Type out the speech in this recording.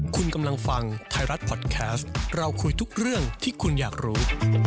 คุณกำลังฟังไทยรัฐพอดแคสต์เราคุยทุกเรื่องที่คุณอยากรู้